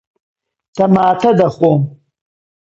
تەماتە دەخۆم.